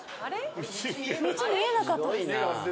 道見えなかったです。